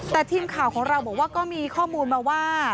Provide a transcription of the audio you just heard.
แต่ทีมข่าวของเราบอกว่าก็มีข้อมูลมาว่า